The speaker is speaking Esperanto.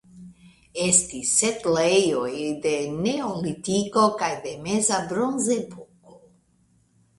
Estis setlejoj de Neolitiko kaj de Meza Bronzepoko.